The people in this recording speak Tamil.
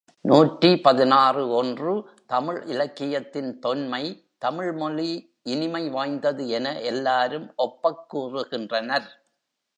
நூற்றி பதினாறு ஒன்று தமிழ் இலக்கியத்தின் தொன்மை தமிழ்மொழி இனிமை வாய்ந்தது என எல்லாரும் ஒப்பக் கூறுகின்றனர்.